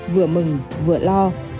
vừa mừng vừa lo